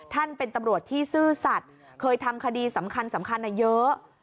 ท่านเป็นตำรวจที่ซื่อสัตว์เคยทำคดีสำคัญเยอะ